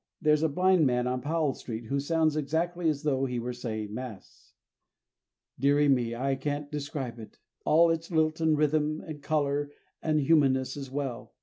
There's a blind man on Powell street who sounds exactly as though he were saying Mass. Dearie me, I can't describe it. All its lilt and rhythm and color and humanness as well.